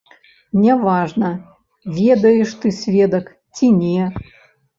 Няважна, ведаеш ты сведак ці не.